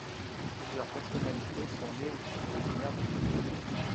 Plusieurs personnalités sont nées ou sont originaires de cette ville.